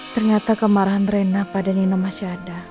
ternyata kemarahan rena pada nino masih ada